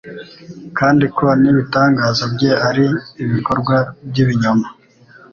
kandi ko n'ibitangaza bye ari ibikorwa by'ibinyoma.